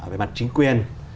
về mặt chính quyền